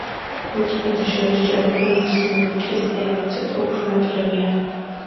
მორწმუნეთა შორის ჭარბობენ მუსლიმები; ქრისტიანები ცოტა უფრო ნაკლებია.